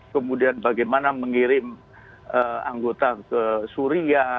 kemudian bagaimana mengirim anggota ke suria